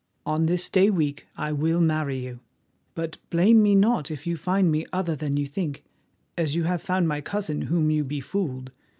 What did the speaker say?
On this day week I will marry you, but blame me not if you find me other than you think, as you have found my cousin whom you befooled.